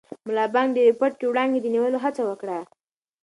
ملا بانګ د یوې پټې وړانګې د نیولو هڅه وکړه.